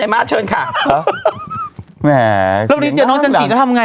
มีมึงน่ะแล้วมีคนเดียวเนี่ยแหละ